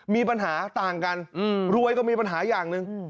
มีปัญหาต่างกันรวยก็มีปัญหาอย่างหนึ่ง